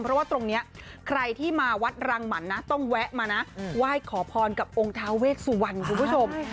เพราะว่าตรงนี้ใครที่มาวัดรังหมันนะต้องแวะมานะไหว้ขอพรกับองค์ท้าเวสสุวรรณคุณผู้ชม